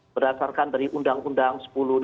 berdasarkan dari undang undang sepuluh